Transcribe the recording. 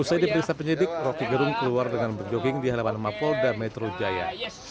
usai diperiksa penyidik roky gerung keluar dengan berjoging di halaman mapol dan metro jaya